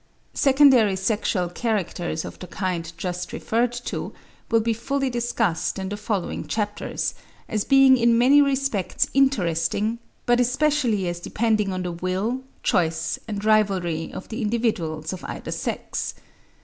Secondary sexual characters of the kind just referred to, will be fully discussed in the following chapters, as being in many respects interesting, but especially as depending on the will, choice, and rivalry of the individuals of either sex.